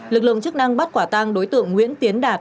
lực lượng chức năng bắt quả tang đối tượng nguyễn tiến đạt